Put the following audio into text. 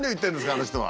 あの人は。